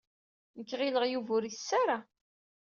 Nekk ɣileɣ Yuba ur itess ara.